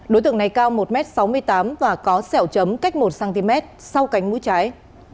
đối tượng này cao một m sáu mươi tám và có sẹo chấm cách một cm sau cánh mũi trái